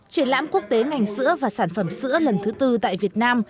triển lãm quốc tế ngành sữa và sản phẩm sữa lần thứ tư tại việt nam